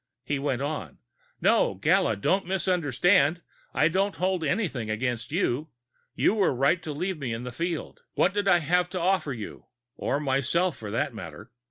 He went on: "No, Gala, don't misunderstand, I don't hold anything against you. You were right to leave me in the field. What did I have to offer you? Or myself, for that matter?